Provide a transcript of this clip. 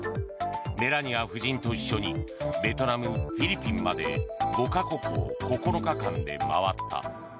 メラニア夫人と一緒にベトナム、フィリピンまで５か国を９日間で回った。